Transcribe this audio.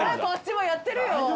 こっちもやってるよ！